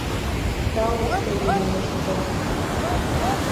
Тау, Лыставий, — манеш Окавий.